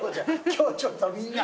今日ちょっとみんな。